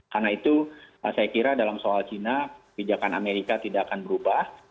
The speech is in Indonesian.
karena itu saya kira dalam soal china pijakan amerika tidak akan berubah